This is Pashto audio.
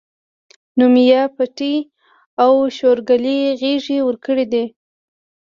نو ميا پټي او شورګلې غېږې ورکړي دي